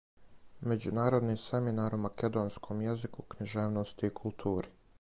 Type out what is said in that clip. Међународни семинар о македонском језику, књижевности и култури.